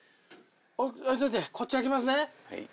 置いといてこっち開けますね。